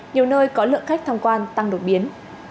nhiều nơi có lượng khách tham quan tăng đột biến